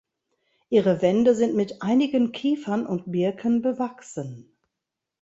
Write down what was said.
Ihre Wände sind mit einigen Kiefern und Birken bewachsen.